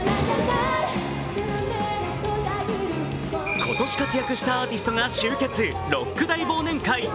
今年活躍したアーティストが集結、ロック大忘年会。